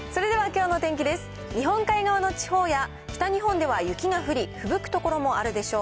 日本海側の地方や北日本では、雪が降り、ふぶく所もあるでしょう。